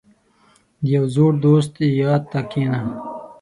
• د یو زوړ دوست یاد ته کښېنه.